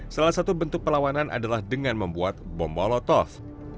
salah satu bentuk perlawanan adalah dengan membuat bom molotov